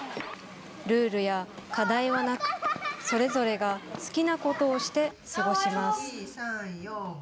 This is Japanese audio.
ルールや課題はなく、それぞれが好きなことをして過ごします。